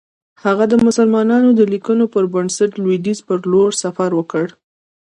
هغه د مسلمانانو د لیکنو پر بنسټ لویدیځ پر لور سفر وکړ.